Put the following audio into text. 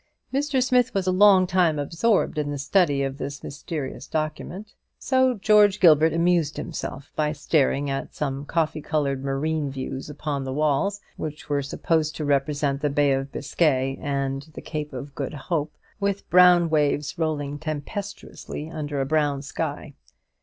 Mr. Smith was a long time absorbed in the study of this mysterious document; so George Gilbert amused himself by staring at some coffee coloured marine views upon the walls, which were supposed to represent the Bay of Biscay and the Cape of Good Hope, with brown waves rolling tempestuously under a brown sky.